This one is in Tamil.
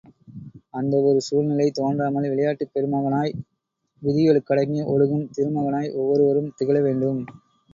அந்த ஒரு சூழ்நிலை தோன்றாமல், விளையாட்டுப் பெருமகனாய் விதிகளுக்கடங்கி ஒழுகும் திருமகனாய் ஒவ்வொருவரும் திகழ வேண்டும்.